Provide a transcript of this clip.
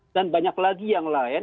dan banyak lagi yang lain